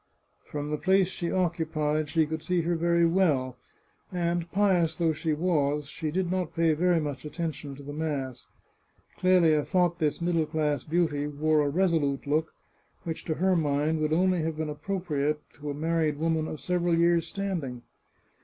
From the place she occu pied she could see her very well, and, pious though she was, she did not pay very much attention to the mass. Clelia thought this middle class beauty wore a resolute look, which to her mind would only have been appropriate in a mar ried woman of several years' standing.